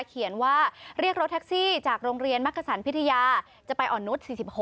เขียนว่าเรียกรถแท็กซี่จากโรงเรียนมักขสันพิทยาจะไปอ่อนนุษย์๔๖